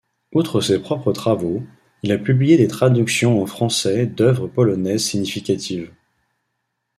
Outre ses propres travaux, il a publié des traductions en français d'œuvres polonaises significatives.